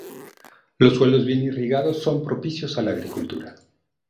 Los suelos bien irrigados son propicios a la agricultura.